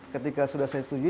ketika sudah saya setujuin